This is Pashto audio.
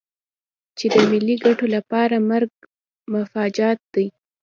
چې د ملي ګټو لپاره مرګ مفاجات دی.